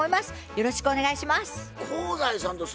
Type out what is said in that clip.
よろしくお願いします。